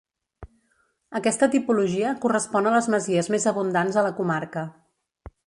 Aquesta tipologia correspon a les masies més abundants a la comarca.